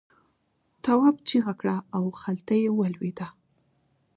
تواب چیغه کړه او خلته یې ولوېده.